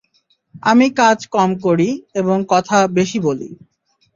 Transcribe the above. আমি কাজ কম করি, এবং কথা বেশি বলি।